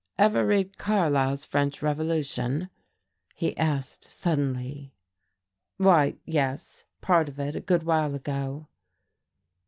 "Ever read Carlyle's 'French Revolution'?" he asked suddenly. "Why, yes, part of it, a good while ago."